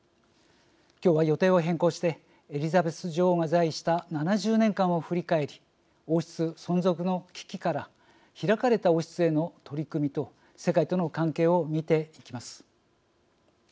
今日は予定を変更してエリザベス女王が在位した７０年間を振り返り王室存続の危機から開かれた王室への取り組みと世界との関係を見ていきます。